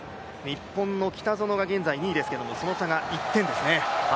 日本の北園が現在２位ですけど、その差が１点ですね。